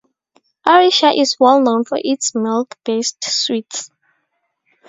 Odisha is well known for its milk based sweets.